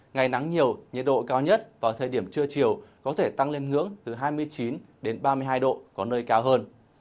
ngày nắng nhiều nhiệt độ cao nhất vào thời điểm trưa chiều có thể tăng lên ngưỡng từ hai mươi chín đến ba mươi hai độ có nơi cao hơn